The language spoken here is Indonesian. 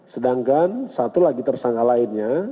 sedangkan satu lagi tersangka lainnya